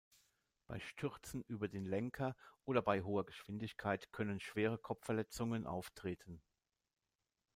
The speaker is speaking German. Bei Stürzen über den Lenker oder bei hoher Geschwindigkeit können schwere Kopfverletzungen auftreten.